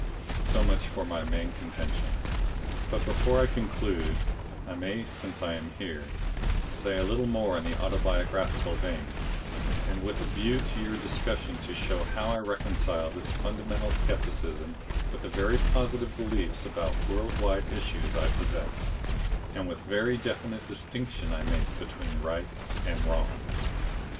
So much for my main contention. But before I conclude I may since I am here say a little more in the autobiographical vein, and with a view to your discussion to show how I reconcile this fundamental scepticism with the very positive beliefs about world wide issues I possess, and the very definite distinction I make between right and wrong.